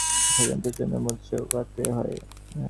স্বাধীনতার জন্য মূল্য চোকাতে হয়।